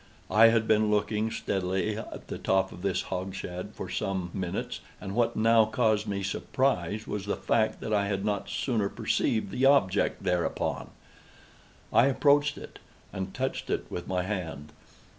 I had been looking steadily at the top of this hogshead for some minutes, and what now caused me surprise was the fact that I had not sooner perceived the object thereupon. I approached it, and touched it with my hand.